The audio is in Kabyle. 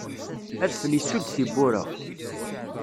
Adfel isudd tiwwura.